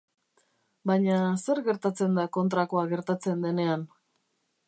Baina zer gertatzen da kontrakoa gertatzen denean?